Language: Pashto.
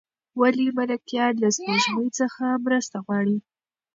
ولې ملکیار له سپوږمۍ څخه مرسته غواړي؟